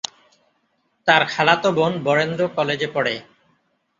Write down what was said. তার খালাতো বোন বরেন্দ্র কলেজে পড়ে।